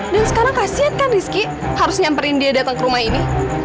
dan sekarang kasian kan rizky harus nyamperin dia datang ke rumah ini